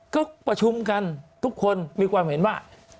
ก็ประชุมกันทุกคนมีความเห็นว่า